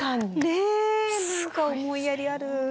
ねえ何か思いやりある。